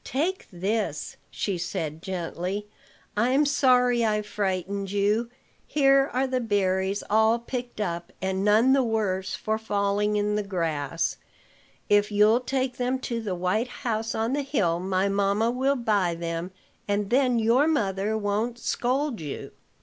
"Take this," she said gently. "I'm sorry I frightened you. Here are the berries all picked up, and none the worse for falling in the grass. If you'll take them to the white house on the hill, my mamma will buy them, and then your mother won't scold you."